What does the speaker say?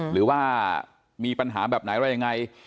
หรือว่ามีปัญหาแบบไหนอะไรยังไง